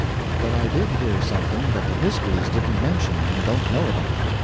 But I did hear something that the histories didn't mention and don't know about.